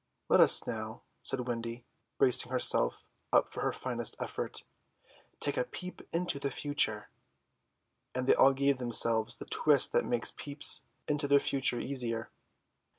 "Let us now," said Wendy, bracing herself up for her finest effort, "take a peep into the future;" and they all gave themselves the twist that makes peeps into the future easier.